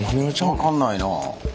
分かんないなあ。